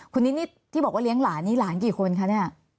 คุณนิดนี่ที่บอกว่าเลี้ยงหลานนี่หลานกี่คนคะเนี่ย